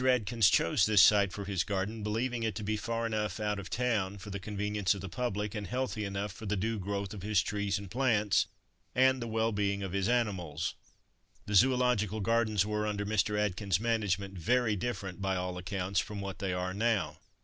Atkins chose this site for his gardens, believing it to be far enough out of town for the convenience of the public, and healthy enough for the due growth of his trees and plants, and the well being of his animals. The Zoological Gardens were, under Mr. Atkin's management, very different, by all accounts, from what they are now.